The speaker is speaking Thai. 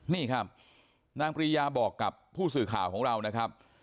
นี่ครับนางปริยาบอกกับผู้สื่อข่าวของเรานะครับ